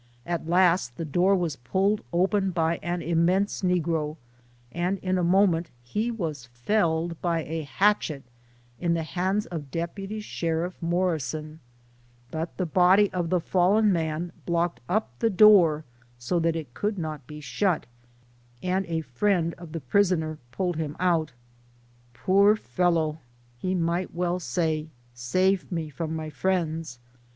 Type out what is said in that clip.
At last the door was pulled open by an immense negro, and in a moment he was felled by a hatchet in the hands of Deputy Sheriff Morrison ; but the body of the fallen man blocked up the door so that it could not be shut, and a friend of the prisoner pulled him out. Poor 100 SOME SCENES IN THE fellow ! he might well say, " Save me from my friends."